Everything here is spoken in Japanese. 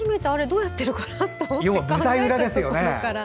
どうやっているかなと思って。